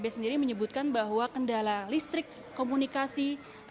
b sendiri menyebutkan bahwa kendala listrik komunikasi